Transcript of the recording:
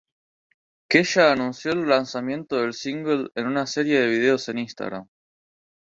Kesha anunció el lanzamiento del single en una serie de videos en Instagram.